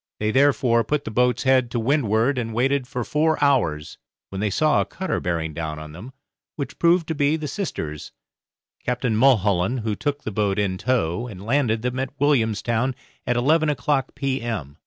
They therefore put the boat's head to windward and waited for four hours, when they saw a cutter bearing down on them, which proved to be 'The Sisters', Captain Mulholland, who took the boat in tow and landed them at Williamstown at eleven o'clock p.m.